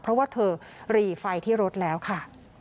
เพราะว่าเธอรีไฟที่รถแล้วค่ะ